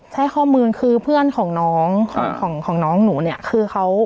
ใช่ข้อมูลคือเพื่อนของน้องของของน้องหนูเนี่ยคือเขา